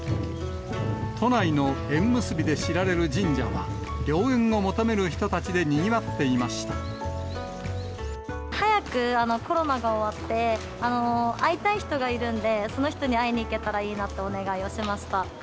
都内の縁結びで知られる神社は、良縁を求める人たちでにぎわって早くコロナが終わって、会いたい人がいるんで、その人に会いに行けたらいいなってお願いをしました。